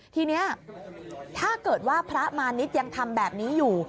ทีนี้ถ้าเกิดว่าพระมาณิชย์ยังทำแบบนี้อยู่